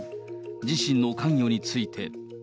自身の関与について。